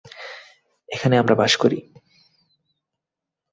এখানে আমরা বাস করি!